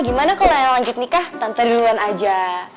gimana kalau yang lanjut nikah tante duluan aja